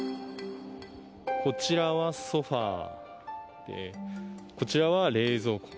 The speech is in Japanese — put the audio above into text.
こちらはソファでこちらは冷蔵庫。